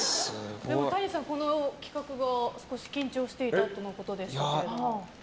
Ｔａｎｉさん、この企画が緊張していたとのことですけど。